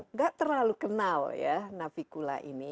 nggak terlalu kenal ya navicula ini